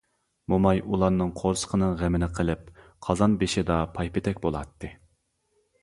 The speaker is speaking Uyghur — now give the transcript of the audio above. موماي ئۇلارنىڭ قورسىقىنىڭ غېمىنى قىلىپ، قازان بېشىدا پايپېتەك بولاتتى.